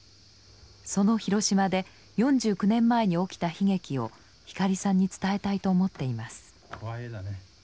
その広島で４９年前に起きた悲劇を光さんに伝えたいと思っています。